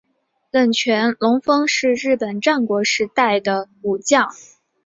冷泉隆丰是日本战国时代的武将。